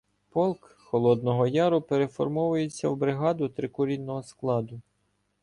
Полк Холодного Яру переформовується в бригаду трикурінного складу.